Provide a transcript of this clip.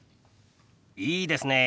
いいですねえ。